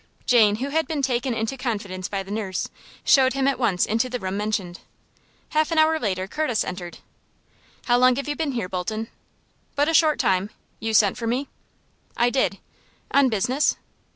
Jane, who had been taken into confidence by the nurse, showed him at once into the room mentioned. Half an hour later Curtis entered. "How long have you been here, Bolton?" "But a short time. You sent for me?" "I did." "On business?"